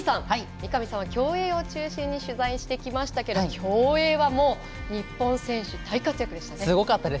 三上さんは競泳を中心に取材してきましたけど、競泳は日本選手、大活躍でしたね。